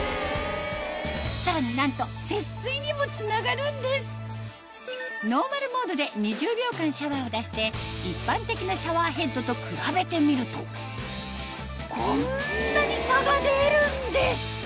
さらになんと節水にもつながるんですノーマルモードで２０秒間シャワーを出して一般的なシャワーヘッドと比べてみるとこんなに差が出るんです！